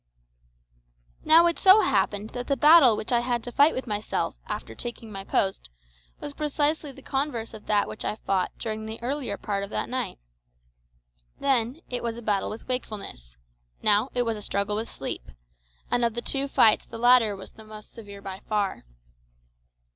Now it so happened that the battle which I had to fight with myself after taking my post was precisely the converse of that which I fought during the earlier part of that night. Then, it was a battle with wakefulness; now, it was a struggle with sleep; and of the two fights the latter was the more severe by far.